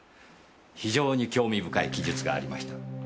非常に興味深い記述がありました。